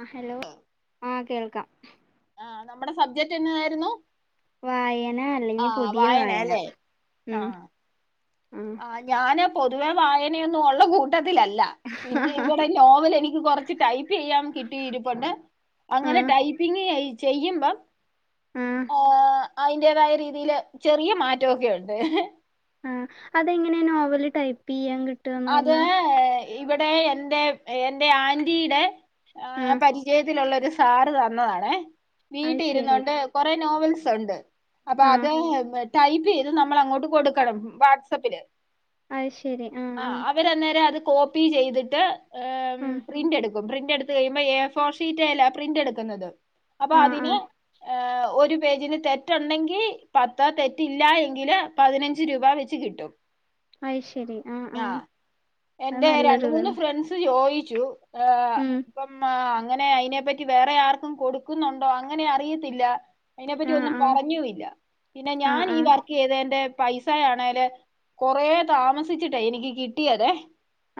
ആ ഹലോ ആ കേൾക്കാം ആഹ് നമ്മുടെ സബ്ജക്ട് എന്നാ ആയിരുന്നു വായന അല്ലെങ്കി പുതിയ വായന ഉം ആഹ് ആഹ് ആഹ് ഞാന് പൊതുവെ വായനയൊന്നും ഉള്ള കൂട്ടത്തിലല്ല. പിന്നെ ഇവടെ നോവൽ എനിക്ക് കുറച്ച് ടൈപ്പെയ്യാൻ കിട്ടിയിരുപ്പുണ്ട്. ആ അങ്ങനെ ടൈപ്പിങ് എയ് ചെയ്യുമ്പം ആഹ്. അയിന്റേതായ രീതിയില് ചെറിയ മാറ്റമൊക്കെ ഉണ്ട്. ആഹ് അതെങ്ങനെ നോവൽ ടൈപ്പിയ്യാൻ കി അത് ഇവിടെ എന്റെ എൻ്റെ ആന്റീടെ ആ പരി ചയത്തിലുള്ള ഒരു സാറ് തന്നതാണെ. അത് വീട്ടി ശരി ഇരുന്നോണ്ട് കൊറെ നോവൽസ് ഉണ്ട്. അപ്പൊ ആ അത് ടൈപ്പ് ചെയ്ത് നമ്മൾ അങ്ങോട്ട് കൊടുക്കണം വാട്സപ്പില് അത് ശരി ആ ആ അവരന്നേരം അത് കോപ്പി ചെയ്തിട്ട് ഉം പ്രിന്റ് എടുക്ക പ്രിന്റ് എടുത്ത് കഴിയുമ്പോൾ എഫൗർ ഷീറ്റ് യാലെ പ്രിന്റ് എടുക്കുന്നത് അപ്പോ ആ ആ അതിന് ഒരു പേജിന് തെറ്റ ഉണ്ടെങ്കിൽ പത്ത് തെറ്റ് ഇല്ല എങ്കില് പതിനഞ്ച് രൂപ വെച്ച് കിട്ടും അത് ശരി ആ ആ അത് എന്റെ രണ്ട നല്ലൊരു മൂന്ന് ഇതാണ് ഫ്രണ്ട്സ് ചോയിച്ചു ഉം അപ്പോ അങ്ങനെ അയിനെ പറ്റി വേറെ ആർക്കും കൊടുക്കുന്നുണ്ടോ അങ്ങനെ അറിയത്തില്ല അയിനെപ്പറ്റി ആ ഒന്നും ആ പറഞ്ഞൂല്ല പിന്നെ ആ ഞാൻ ആ ഈ വർക്ക് ചെയ്തേന്റെ പൈസയാണെല് കൊറേ താമസിച്ചിട്ടേ എനിക്ക് കിട്ടിയതെ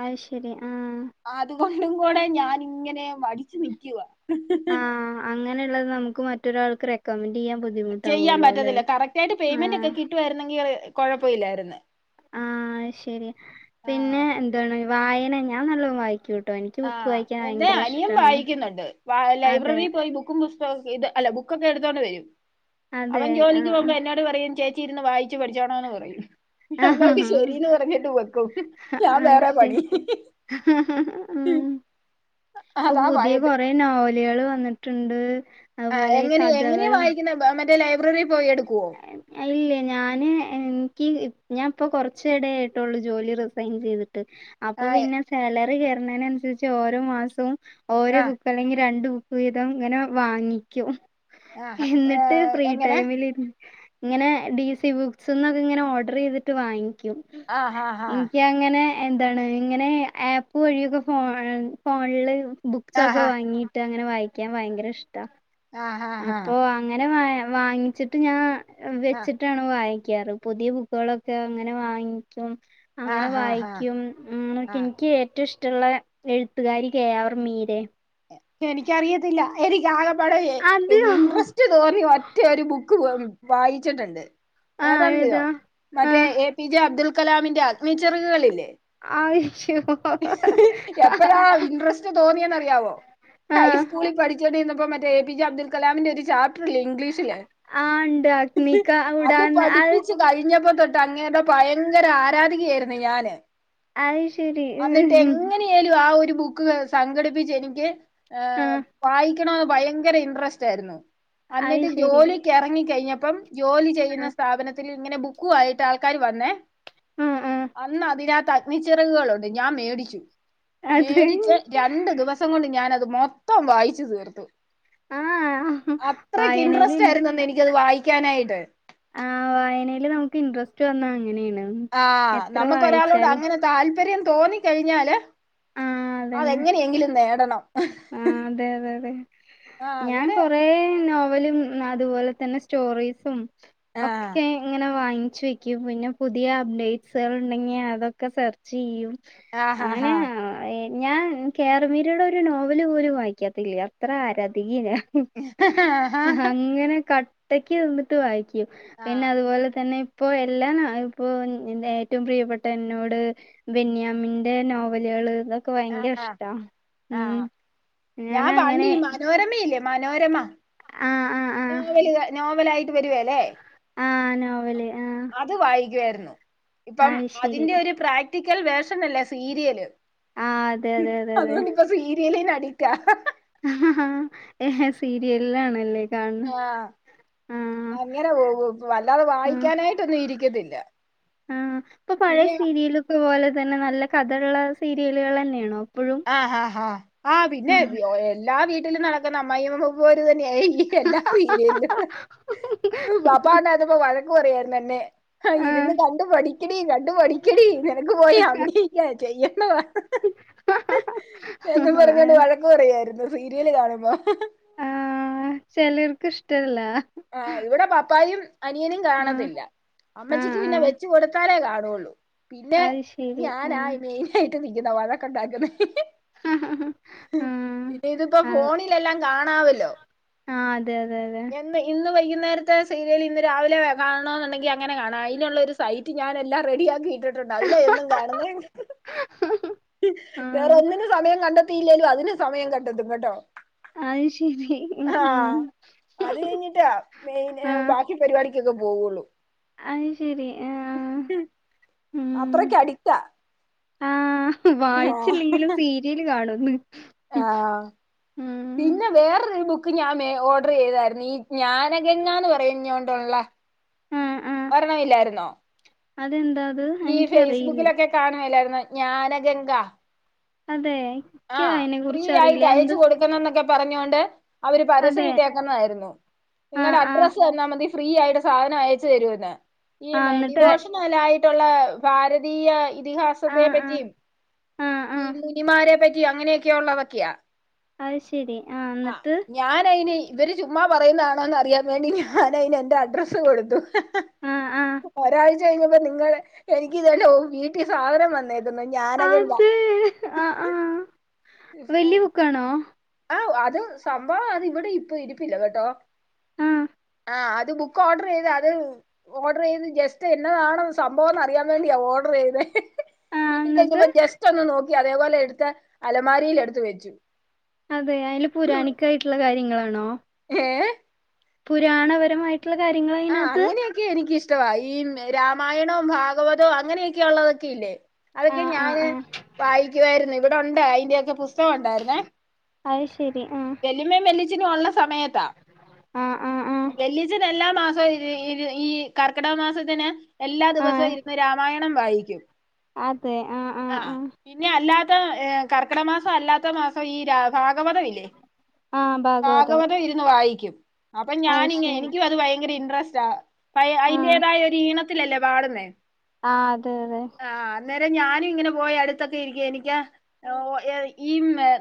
അ ത് ശരി ആഹ് അതുകൊണ്ടും കൂടെ ഞാൻ ഇങ്ങനെ മടിച്ചു നിക്കുവാ ആ അങ്ങനെയുള്ളത് നമുക്ക് മറ്റൊരാൾക്ക് റെക്കമെന്റ് ചെയ്യാൻ പോലും ചെയ്യാൻ പറ്റത്തില്ല കറക്റ്റ് ആയിട്ട് പേയ്മെന്റ് ഒക്കെ കിട്ടുവായിരുന്നെങ്കിൽ കൊഴപ്പ ഇല്ലായിരുന്നു ആഹ ശെരി പിന്നെ എന്താണ് വായന ഞാൻ നല്ല വായിക്കും ആ എന്റെ അനിയൻ വായിക്കുന്നുണ്ട് അതെ ലൈബ്രറിൽ പോയി ബുക്ക് ബുക്കും പുസ്തക അല്ല ബുക്കൊക്കെ എടുത്തോണ്ട് വരും അതെ അവൻ ജോലിക്ക് പോമ്പോ ആഹ് എന്നോട് പറയും ചേച്ചി യിരുന്ന് വായിച്ചു പഠിച്ചോണം എന്ന് പറയും നമ്മള് ആഹ് ശരീന്ന് പറഞ്ഞിട്ട് വെക്കും ഞാൻ അത് വേറെ ശരി പണി ഉം ഇപ്പൊ അതാ പുതിയ ഭയത് കൊറേ നോവലുകൾ വന്നിട്ടുണ്ട് ഏഹ് അതുപോലെ എങ്ങനെ എങ്ങനെയ കഥകള് വായിക്കുന്നെ മറ്റേ ലൈബ്രറിയിൽ പോയി എടുക്കുമോ അല്ല ഞാന് എനിക്ക് ഞൻ ഇപ്പൊ കുറച്ചു ഇട ആയിട്ടൊള്ളൂ ജോലി റിസൈൻ ചെയ്തിട്ട് അപ്പൊ ആ പിന്നെ സാലറി കയറണേനനുസരിച്ച് ഓരോ മാസവും ആ ഓരോ ബുക്ക് അല്ലെങ്കിൽ രണ്ടു ബുക്ക് വീതം ഇങ്ങനെ വാങ്ങിക്കും ആ എന്നിട്ട് ഫ്രീ എങ്ങനെ ടൈമില് ഇരുന്ന് ഇങ്ങനെ ഡി സി ബുക്സ്ന്നൊക്കെ ഇങ്ങനെ ഓർഡർ ചെയ്തിട്ട് വാങ്ങിക്കും ആ ഹാ ഹാ എനിക്ക് ഇങ്ങനെ എന്താണ് ഇങ്ങനെ ആപ്പ് വഴിയൊക്കെ ഫോ ഫോണില് ബുക്സൊക്കെ ആഹാ വാങ്ങീട്ട് അങ്ങനെ വായിക്കാൻ ഭയങ്കര ഇഷ്ടാ ആഹാ ഹാ അപ്പൊ വാ ഇങ്ങനെ വാങ്ങിച്ചിട്ട് ഞാൻ ആ വെച്ചിട്ട് വായിക്കാറ് പുതിയ ബുക്കുകളൊക്കെ അങ്ങനെ വാങ്ങിക്കും അങ്ങനെ ആഹാ ഹാ വായിക്കും ആ എനിക്ക് ഏറ്റവും ഇഷ്ടം ഇഷ്ട്ടമുള്ള എഴുത്തുകാരി കെ ആർ മീരയാ എനിക്കറിയത്തില്ല എനിക്ക് ആക പാടേ അത് ഇൻട്രസ്റ്റ് റ്റ് തോന്നി ഒറ്റ ഒരു ബുക്ക് വായിച്ചിട്ടുണ്ട് ഏതാ അറിയോ മറ്റേ ആ എ പി ജെ അബ്ദുൾ കലാമിന്റെ അഗ്നി ചെറകുകളില്ലേ എപ്പഴാ ഇൻട്രസ്റ്റ് തോന്നിയേ ന്ന് അറിയാവോ ഹൈസ്കളിൽ പഠിച്ചുകോണ്ട് ഇരുന്നപ്പോ മറ്റേ എ പി ജെ അബ്ദുൽ കലാമിന്റെ ഒരു ചാപറ്റർ ഇല്ലേ ഇംഗ്ലീഷ് ന് അത് പഠിപ്പിച്ച കഴിഞ്ഞപ്പോ തൊട്ട് അങ്ങേര്ടെ ഭയങ്കര ആരാധികയായിരുന്നു ഞാന് അത് ശരി ഉം എങ്ങനെയേലും ആ ഒരു ബുക്ക് സംഘടിപ്പിച്ച് എനിക്ക് ആ വായി ക്കണന്ന് ഭയങ്കര ഇൻട്രസ്റ്റ് ആയിരുന്നു എന്നിട്ട് അയ്ശരി ജോലിക്ക് എറങ്ങി കഴിഞ്ഞപ്പം ജോലി ചെയ്യുന്ന സ്ഥാപനത്തില് ഇങ്ങനെ ബുക്ക് ആയിട്ട് ആൾക്കാര് വന്നേ ആ ആ അന്ന് അതിനാത്ത് അഗ്നിച്ചിറകുകളുണ്ട് ഞാൻ മേടിച്ചു അത് മേടിച്ച് രണ്ടു ദിവസം കൊണ്ട് ഞാനത് മൊത്തം വായിച്ചു തീർത്തു ആ അത്രക്ക് വായനയിൽ ഇൻട്രസ്റ്റ് ഇൻ ആയിരുന്നെന്നെ എനിക്കത് വായിക്കാനായിട്ട് ആഹ് വായനേല് നമുക്ക് ഇൻട്രസ്റ്റ് വന്നാ അങ്ങനെയാണ് ആഹ് എത്ര നമുക്ക് ഒരാളോട് വായിച്ചാലും അങ്ങനെ താല്പര്യം തോന്നിക്കഴിഞ്ഞാല് ആ അതന്നെ അതെങ്ങനെയെങ്കിലും നേടണം ആ അതെ അതെ അതെ ആഹ് ഞാൻ അങ്ങനെ കൊറേ നോവലും അതുപോലെ തന്നെ സ്റ്റോറീസും ആഹ് ഒക്കെ ഇങ്ങനെ വാങ്ങിച്ചു വെക്കും പിന്നെ പുതിയ അപ്ഡേറ്റ്സുകൾ ഉണ്ടെങ്കിൽ അതൊക്കെ സർച്ച് ചെയ്യും ആഹ് ഹാ അങ്ങനെ ഹാ ഞാൻ കേ ആർ മീരയുടെ ഒരു നോവല് പോലും വായിക്കാത്തെ ഇല്ല അത്ര ആരാതികയാ ഞാൻ ആഹ് അങ്ങനെ ക ട്ടക്ക് നിന്നിട്ട് വായിക്കും പിന്നെ അത്പോലെ തന്നെ ഇപ്പൊ എല്ലാം നാ ഇപ്പൊ എന്ത ഏറ്റൊ പ്രിയപ്പെട്ട എന്നോട് ബെന്യാമിന്റെ നോവലേള് ആഹ് ആഹ് ആഹ് ഞാൻ വണ്ടി മനോരമയില്ലെ മനോരമ ആ ആ ആ നോവല് നോവലിയിട്ട് വരുവേലെ ആഹ് നോവല് ആഹ് അത് വായിക്കുവായിരുന്നു. ഇപ്പം ശരി അതിന്റെ ഒരു പ്രാക്ടിക്കൽ വേർഷനല്ലെ സീരിയല് ആ അതെ അതെ അതെ അതെ അന്ന്ട്ട്പ്പൊ സീരിയലിന് അടിപ്റ്റ ഏഹ് സീരിയൽ ആണല്ലെ ആഹ് അങ്ങനെ പോവും വല്ലാതെ ആഹ് വായിക്കാനായിട്ടൊന്നും ഇരിക്കത്തില്ല ആഹ് ഇപ്പൊ പഴയ പിന്നെ സീരിയലൊക്കെ പോലെ തന്നെ നല്ല കഥള്ള സീരിയല്കളെന്നേണൊ ആഹ് ആഹ് ആഹ് ആഹ് പിന്നെ എല്ലാ വീട്ട്ലും നടക്ക്ന്ന അമ്മായിയമ്മ പോര് തന്നെ ആയി എല്ലാ സീരിയേലും വാപ്പാന്നറഞപ്പ വഴക്ക് പറയാർന്നു എന്നെ ആഹ് ഇരുന്ന് കണ്ടു പഠിക്കടീ കണ്ടു പഠിക്കടീ നിനക്ക് പോയി അഭിനയിക്കാ ചെയ്യണമ എന്നും പറഞ്ഞോണ്ട് ആഹ് വഴക്ക് പറായ്രുന്നു സീരീല് കാണുമ്പൊ ആഹ് ചിലേർക്ക് ഇഷ്ടല്ലാ ആഹ് ഇവടെ പപ്പായും അനിയനും ആഹ് കാണത്തില്ല. ആഹ് അമ്മച്ചിക്ക് പിന്നെ ആഹ് വെച്ച് കൊട്ത്താലെ കാണൊള്ളു പിന്നെ അത് ശരി ഞാനാ ആഹ് മെയിനായിട്ട് നിക്ക്ന്നെ വഴക്ക് ഉണ്ടാക്ക്ന്നെ ആഹ് ആഹ് പിന്നെ ഇതിപ്പൊ ഫോണിലെല്ലാം കാണാവല്ലൊ ആഹ് അതെ അതെ അതെ എന്ന് ഇന്ന് വൈകുന്നേര്ത്തെ സീര്യേല് ഇന്ന് രാവിലെ കാണൊ ന്ന്ണ്ടെങ്കി അങ്ങനെ കാണ അയിനുള്ളൊര് സീ സൈറ്റ് ഞാനെല്ലാ റെഡിയാക്കി അതിലെ എന്നും കാണുന്നെ വേറെ ആഹ് ഒന്നിനും സമയം കണ്ട ത്തീലേലും അതിന് സമയം കണ്ടെത്തും കെട്ടോ അയ് ശരി ഉം ഉം അത് കഴിഞ്ഞ്ട്ടാ മെയിൻ ഏഹ് ബാക്കി പരിപാടികൊക്കെ പോവൊള്ളു അയ് ശരി ആഹ് ഉം അത്രക്ക് അടിക്റ്റ ആഹ് വായിച്ചില്ലെലും സീരിയല് കാണുന്ന് ആഹ് പിന്നെ വേറൊര് ബുക്ക് ഞാൻ മേ ഓഡ്രീതാര്ന്നു ഈ ഞാനഗങ്ങാന്ന് പറയഞ്ഞോണ്ട്ള്ള ഒരെണ്ണമില്ലായിര്ന്നൊ അതെ എന്താ ഈ ഫെയ്സ്ബുക്കിലൊക്കെ കാണാൻ ഇല്ലായിരുന്നൊ ജ്ഞാനഗംഗ അതേയ് ആഹ് ഫ്രീ ആയിട്ട് അയച്ച് കൊട് ന്നൊക്കെ പറഞ്ഞോണ്ട് അവര് പരസ്യം അതെ ഇട്ടേക്ക്ന്നായിരുന്നു നിങ്ങടെ ആഹ് ആഹ് അഡ്രസ്സ് തന്നാ മതി ഫ്രീ ആയിട്ട് സാധനം അയച്ച് തരുവെന്ന് ഈ ആഹ് എന്നിട്ട് മെഡിവോഷൻ ലായിട്ടുള്ളാ ഭാരതീയ്യ ഇ ഇതിഹാസത്തെ ആഹ് ആഹ് പറ്റീം ആഹ് ഈ ആഹ് മുനിമാരെ പറ്റിയും അങ്ങനെയറി ള്ളതൊക്കെയാ അത് ശരി ആഹ് ഇന്ന്ട്ട് ഞാനയിന് ഇവര് ചുമ്മാ പറയുന്നാണോന്ന് അറിയാൻ വേണ്ടി ഞാനയിന് എന്റെ അഡ്രസ്സ് കൊട്ത്തു... ആഹ് ആഹ് ഒരാഴ്ച കഴിഞ്ഞപ്പൊ നിങ്ങടെ എനിക്കിതെന്റെ ഓ വീട്ടി സാധനം വന്നു അത് ആഹ് ആഹ് വെല്യ ബുക്കാണൊ ആഹ് അത് സംഭവം അത് ഇവടെ ഇപ്പൊ ഇരിപ്പില്ല കെട്ടൊ ആഹ് ആഹ് അത് ബുക്ക് ഓർഡർ ചെയ്ത് അത് ഓർഡർ ചെയ്ത് ജസ്റ്റ് എന്നതാണ് സംഭവം എന്ന് അറിയാൻ വേണ്ടിയാ ഓർഡർ ചെയ്തത് ആഹ് കിട്ടി എന്നിട്ട് കഴിഞ്ഞപ്പൊ ജസ്റ്റൊന്ന് നോക്കി അതേപോലെ എട്ത്ത് അലമാരീലെടുത്ത് വെച്ചു അതേ അതില് പുരാണിക്കായിട്ട്ള്ള കാര്യങ്ങളാണോ ഏഹ് പുരാണപരമായിട് ട്ടുള്ള കാര്യങ്ങള് ആ അങ്ങനെയൊക്കെ എനിക്കിഷ്ടവാ ഈ രാമായണോം ഭാഗവതോം അങ്ങനെയൊക്കെയൊള്ളതൊക്കെയില്ലേ അതൊക്കെ ആഹ് ആഹ് ഞാന് ആഹ് വായിക്കുവായിരുന്നു ഇവിടൊണ്ട് അയിന്റെയൊക്കെ പുസ്ത കം ഒണ്ടായിരുന്നേ അത് ശരി ആ വെല്ലിമ്മേം വെല്ലിച്ചനും ഒള്ള സമയത്താ, ആ ആ ആ വെല്ലിച്ചനെല്ലാ മാസ് ഇപ്പ ഈ ഈ കർക്കിടക മാസത്തിന് എല്ലാ ആ ദിവസവും ഇരുന്ന് രാമായണം വായിക്കും അതെ ആ ആ ആഹ് ആ പിന്നെ അല്ലാതെ കർക്കിടമാസം അല്ലാത്ത മാസം ഈ രാ ഭാഗവതം ഇല്ലേ ഭാഗവതം ഇരു ന്നു വായിക്കും അപ്പ അത് ഞാനിങ്ങ ശരി എനിക്കും അതു ഭയങ്കര ഇന്ട്രെസ്റ്റാ അയ് ആ അയിന്റെതായ ഒരീണ ത്തിയല്ലേ പാടുന്നേ ആ അതെ അതെ ആ അന്നേരം ഞാനും ഇങ്ങനെ പോയി അടുത്തൊക്കെ ഇരിക്കും എനിക്ക് ആ ഒ ഈ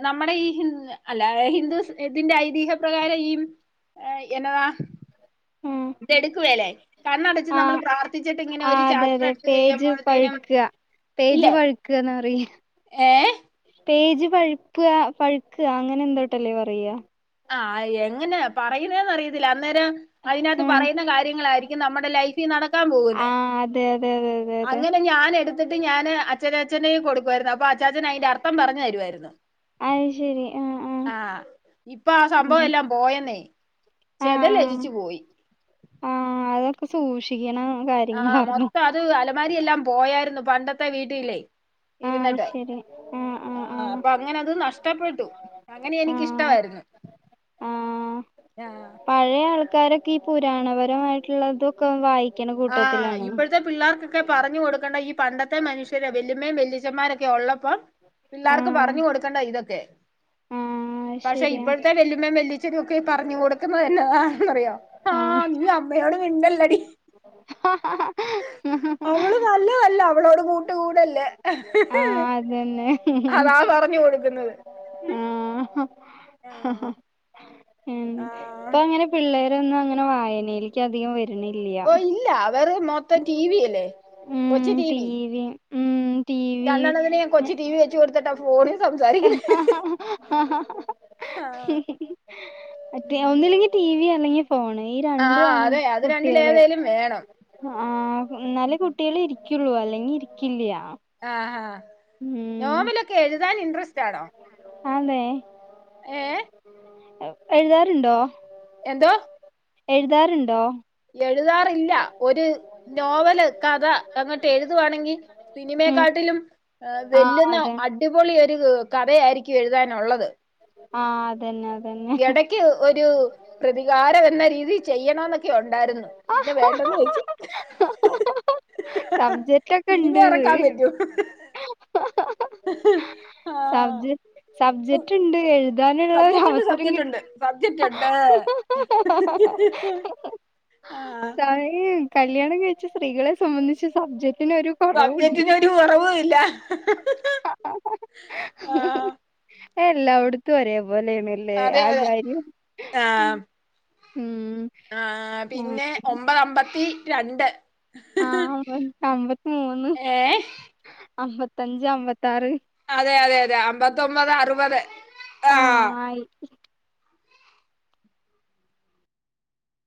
നമ്മടെയീ ഹിന്ദ അല്ല ഹിന്ദുസ് ഇതിന്റെ ഐതിഹ്യം പ്രകാരം ഈ എന്നതാ ഉം ഇതെടുക്കുവേലേ, കണ്ണടച്ച് ആ നമ്മൾ പ്രാർത്ഥിച്ചിട്ട് ഇങ്ങനെ ആ ഒരു അതെ അതെ ചാപ്റ്ററെടുത്ത് പേജ് കഴിയുമ്പോഴത്തേനും പഴുക്കുക പേജ് ഇല്ലേ വഴുക്കുക എന്ന് പറയും. ഏ പേജ് വഴുക്കുക പഴുക്കുക അങ്ങനെ എന്തോട്ടല്ലേ പറയ ആ എങ്ങനെയാ പറയുന്നേന്നറിയത്തില്ല അന്നേരം അതിനകത്ത് ആ പറയുന്ന കാര്യങ്ങളായിരിക്കും നമ്മുടെ ലൈഫ് ഇ നടക്കാൻ ആ പോകുന്നെ അതെ അതെ അതെ അതെ അതെ അങ്ങനെ ഞൻ എടു ട്ടു ഞാന് അച്ഛന അച്ഛന്റെയ് കൊടുക്കുവായിരുന്നു അപ്പൊ അച്ചാഛൻ അയിന്റെ അർത്ഥം പറഞ്ഞു തരുവായിരുന്നു. അത് ശരി ആ ആ ഇപ്പ ആ ഉം സംഭവം എല്ലാം പോയെന്നേ ആ ആ ചെതലരിച്ചു പോയി ആ അതൊക്കെ സൂക്ഷിക്കണ ആഹ് കാര്യങ്ങളാരുന്നു മൊത്തം അത് അലമാരിയെല്ലാം പോയാരുന്നു പണ്ടത്തെ വീട്ടിലേ ആ അത് ശരി ആ അപ്പങ്ങനെ അത് നഷ്ടപ്പെട്ടു അങ്ങനെ ആ എനിക്കിഷ്ടവാരുന്നു ആ രാ പഴയ ആൾക്കാരൊക്കെ ഈ പുരാണപരമായിട്ടുള്ളതൊക്കെ വായിക്കണ കൂട്ടത്തിലാണ്. പിള്ളാർക്കൊക്കെ പറഞ്ഞു കൊടുക്കണ്ട ഈ പണ്ടത്തെ മനുഷ്യര വെല്ലുമ്മേം വെല്ലിച്ചന്മാരൊക്കെ ഒള്ളപ്പം പിള്ളാർക്ക് ആഹ് പറഞ്ഞു കൊടുക്കണ്ടതാ ഇതൊക്കെ ആഹ് പക്ഷെ ശരിയാ ഇപ്പോഴത്തെ വെല്ലിമ്മേം വെല്ലി ച്ഛനൊക്കെ പറഞ്ഞു കൊടുക്കുന്നതെന്നതാന്നറിയോ ആ ആഹ് നീ അമ്മയോട് മിണ്ടല്ലടി. അവള് നല്ലതല്ല അവളോട് കൂട്ടു കൂടല്ലെ. ആഹ് അതന്നെ അതാ പറഞ്ഞ് കൊടുക്കുന്നത്. ആഹ് ആഹ് ആഹ് ഇപ്പങ്ങനെ പിള്ളേരൊന്നും അങ്ങനെ വായനയിലേക്ക് അധികം വര ഓ ഇല്ല അവര് മൊത്തം ടി വി അല്ലേ കൊച്ചു ടി വി. ഉം ടി വി രണ്ടെണ്ണത്തിനെ കൊച്ചു ടി വി വെച്ച് കൊടുത്തിട്ടാ ഫോണിൽ സംസാരിക്കുന്നത്. ആ ആ ആഹ് മറ്റേ ഉം ഒന്നുല്ലെങ്കി ടി വി അല്ലെങ്കി ഫോണ് ഈ രണ്ടു ആഹ് ആണ് അതെ അത് കുട്ടികള് രണ്ടിലേതേലും വേണം ആ ന്നാലേ ഉം. കുട്ടികളിരി ക്കുള്ളു അല്ലെങ്കി ഇരിക്കില്ലിയാ. ആഹാ നോവലൊക്കെ എഴുതാൻ ഇൻട്രസ്റ്റ് ആണൊ ആന്നേ. ഏഹ് എഴുതാറുണ്ടോ എന്തോ എഴുതാറ്ണ്ടോ എഴുതാറില്ല ഒരു നോവല് കഥ അങ്ങട്ട് എഴുതവാണെങ്കിൽ ഉം സിനിമയക്കാട്ടിലും ആഹ് വെല്ലുന്ന അതെ അടിപൊളി ഒരു കഥയായിരിക്കും എഴുതാനുള്ളത് ആഹ് അതന്നെ അതെ ഇടക്ക് ഒരു പ്രതികാരം എന്ന രീതിൽ ചെയ്യണം എന്നൊക്കെ ഉണ്ടായിരുന്നു പിന്നെ വേണ്ടന്ന് വെച്ചു സബ്ജക്റ്റ് ഒക്കെ സിനിമ ഇറക്കാൻ ഇണ്ട്ന്ന് പറ്റൂ ആഹ് സബ്ജക്ട് ഉണ്ട് എഴു താനുള്ള ഒരു സബ്ജക്റ്റുണ്ട് അവസരം കിട്ടും സബ്ജക്റ്റുണ്ട് സബ്ജക്റ്റുണ്ട് ആഹ് സമയി കല്യാണം കഴിച്ച സ്ത്രീകളെ സംബന്ധിച്ച് സബ്ജക്റ്റനൊരു സബ്ജക്റ്റിനൊരു കുറവു ഇല്ല ആഹ് എല്ലാവിടുത്തും ഒരേ പോലെണല്ലേ അതെ ആ അതെ കാര്യം ആഹ് ഉം ആഹ് പിന്നെ അങ്ങനെ. ഒമ്പത അമ്പത്തി രണ്ട് ആഹ് അമ്പ അമ്പത്തി മൂന്ന് ഏഹ് അമ്പത്തഞ്ച് അമ്പത്താറ് അതെ അതെ അതെ അമ്പത്തൊമ്പത് അറുപത് ആഹ് ആയി